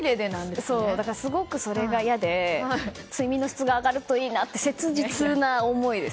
だから、すごくそれが嫌で睡眠の質が上がればいいなと切実な思いです。